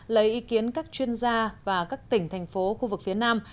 lấy ý kiến các chuyên gia và các tỉnh thành phố khu vực phía nam